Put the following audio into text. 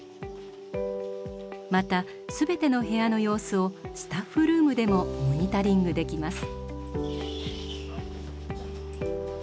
また全ての部屋の様子をスタッフルームでもモニタリングできます。